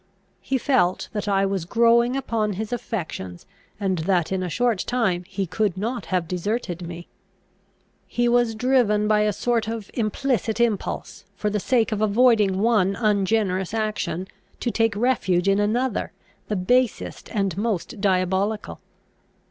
He felt, that I was growing upon his affections, and that in a short time he could not have deserted me. He was driven by a sort of implicit impulse, for the sake of avoiding one ungenerous action, to take refuge in another, the basest and most diabolical.